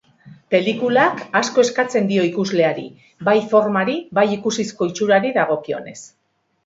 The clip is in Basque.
Pelikulak asko eskatzen dio ikusleari, bai formari bai ikusizko itxurari dagokienez.